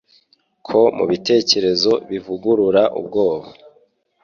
ko mubitekerezo bivugurura ubwoba